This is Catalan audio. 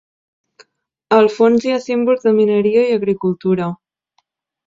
Al fons hi ha símbols de mineria i agricultura.